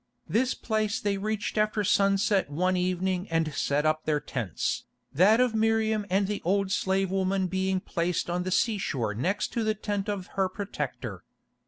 This place they reached after sunset one evening and set up their tents, that of Miriam and the old slave woman being placed on the seashore next to the tent of her protector.